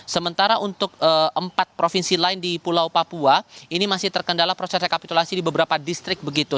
sementara untuk empat provinsi lain di pulau papua ini masih terkendala proses rekapitulasi di beberapa distrik begitu